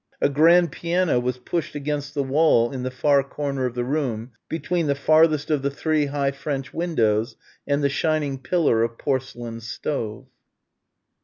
A grand piano was pushed against the wall in the far corner of the room, between the farthest of the three high French windows and the shining pillar of porcelain stove.